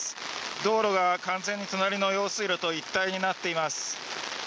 道路が完全に隣の用水路と一体になっています